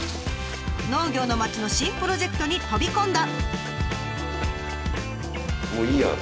農業の町の新プロジェクトに飛び込んだ。